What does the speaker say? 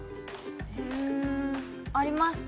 うんあります。